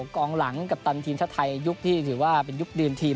กองหลังกัปตันทีมชาติไทยยุคที่ถือว่าเป็นยุคดื่มทีม